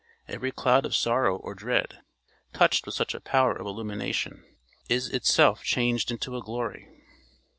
Every cloud of sorrow or dread, touched with such a power of illumination, is itself changed into a glory.